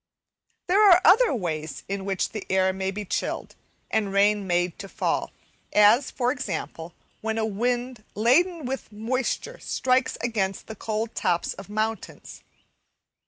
There are other ways in which the air may be chilled, and rain made to fall, as, for example, when a wind laden with moisture strikes against the cold tops of mountains.